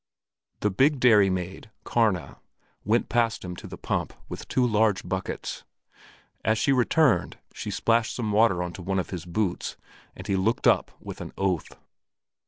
The big dairymaid, Karna, went past him to the pump with two large buckets. As she returned, she splashed some water on to one of his boots, and he looked up with an oath.